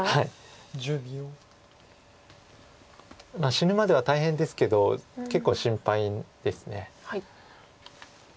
死ぬまでは大変ですけど結構心配です。